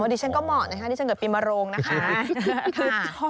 ดิฉันก็เหมาะนะคะที่ฉันเกิดปีมโรงนะคะ